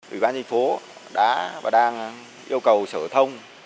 ủy ban thành phố đã và đang yêu cầu sở thông